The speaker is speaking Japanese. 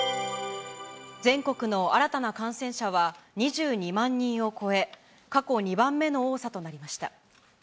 全国の新たな感染者は２２万人を超え、過去２番目の多さとなりました。